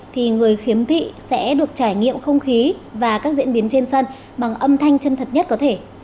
thì người khiếm thị sẽ được trải nghiệm không khí và các diễn biến trên sân bằng âm thanh chân thật nhất có thể